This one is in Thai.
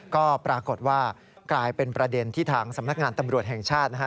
ก็ปรากฏว่ากลายเป็นประเด็นที่ทางสำนักงานตำรวจแห่งชาตินะฮะ